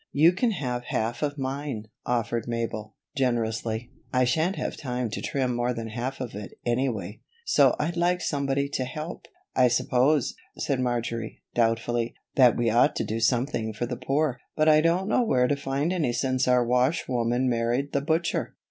"You can have half of mine," offered Mabel, generously. "I shan't have time to trim more than half of it, anyway, so I'd like somebody to help." "I suppose," said Marjory, doubtfully, "that we ought to do something for the poor, but I don't know where to find any since our washwoman married the butcher."